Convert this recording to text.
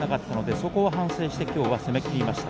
そこを反省して、きょうは攻めきった。